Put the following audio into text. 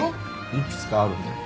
幾つかあるんだよ。